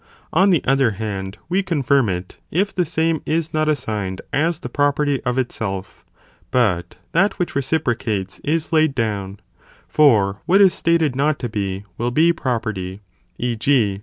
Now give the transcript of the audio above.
On the other hand, we confirm it, if the same is not assigned as the property of itself, but that which reciprocates is laid down, for what is stated not to be, will be property ; e. g.